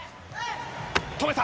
止めた！